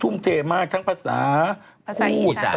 ทุ่มเทมากทั้งภาษาคู่